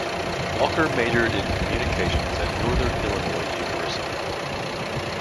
Walker majored in Communications at Northern Illinois University.